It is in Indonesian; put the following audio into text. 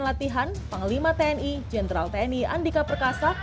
laksamana tni yudo margono